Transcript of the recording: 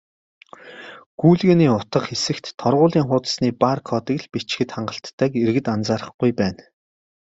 "Гүйлгээний утга" хэсэгт торгуулийн хуудасны бар кодыг л бичихэд хангалттайг иргэд анзаарахгүй байна.